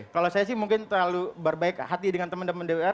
kalau saya sih mungkin terlalu berbaik hati dengan teman teman dpr